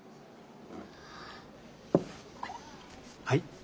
はい。